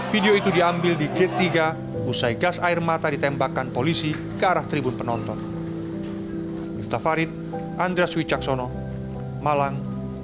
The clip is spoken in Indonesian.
video itu diambil di gate tiga usai gas air mata ditembakkan polisi ke arah tribun penonton